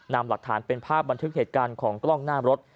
นำหลักฐานเป็นภาพบันทึกเหตุการณ์ของกล้องหน้ารถ